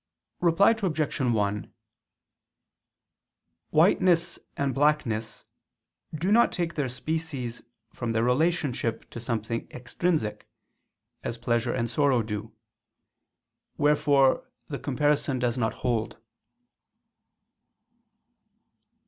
Reply Obj. 1: Whiteness and blackness do not take their species from their relationship to something extrinsic, as pleasure and sorrow do: wherefore the comparison does not hold.